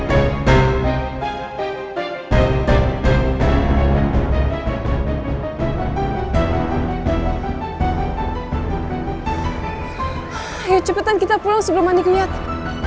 ayo cepetan kita pulang sebelum andi kelihatan